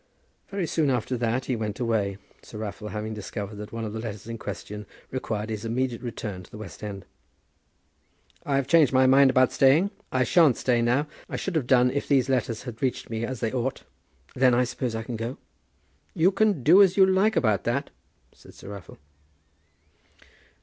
Very soon after that he went away, Sir Raffle having discovered that one of the letters in question required his immediate return to the West End. "I've changed my mind about staying. I shan't stay now. I should have done if these letters had reached me as they ought." "Then I suppose I can go?" "You can do as you like about that," said Sir Raffle.